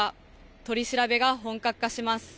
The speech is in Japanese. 取り調べが本格化します。